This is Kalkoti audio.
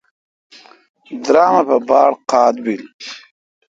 درم اے° پہ باڑ قاد بل۔